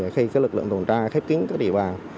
khi lực lượng tuần tra khép kín cái địa bàn